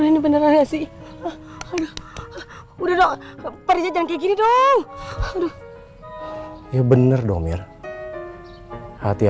ini gua kerjaan ye ini bagaimana ini